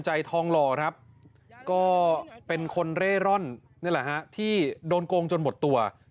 ทองหล่อครับก็เป็นคนเร่ร่อนนี่แหละฮะที่โดนโกงจนหมดตัว